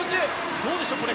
どうでしょうこれ。